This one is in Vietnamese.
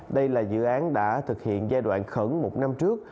đây là dự án đã thực hiện giai đoạn khẩn một năm trước